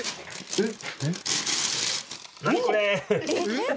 えっ？